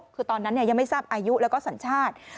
คือตอนนั้นยังไม่ทราบอายุแล้วก็สัญชาติ